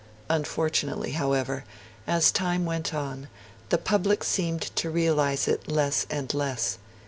Unfortunately, however, as time went on, the public seemed to realise it less and less.